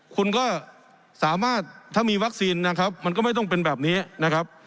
คุณก็สามารถถ้ามีวัคซีนนะครับมันก็ไม่ต้องเป็นแบบนี้นะครับ